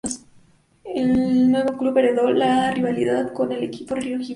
El nuevo club heredó la rivalidad con el equipo rojiblanco.